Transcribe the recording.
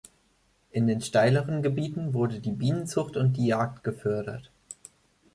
In den steileren Gebieten wurde die Bienenzucht und die Jagd gefördert.